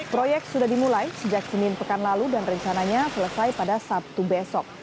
proyek sudah dimulai sejak senin pekan lalu dan rencananya selesai pada sabtu besok